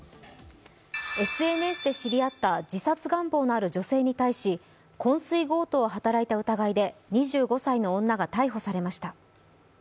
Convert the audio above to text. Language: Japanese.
ＳＮＳで知り合った自殺願望のある女性に対し昏睡強盗を働いた疑いが２５歳の女が逮捕されました。